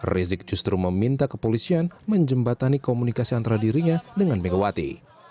rizik justru meminta kepolisian menjembatani komunikasi antara dirinya dengan megawati